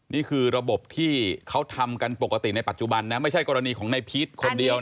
นี่คือระบบที่เขาทำกันปกติในปัจจุบันนะไม่ใช่กรณีของนายพีชคนเดียว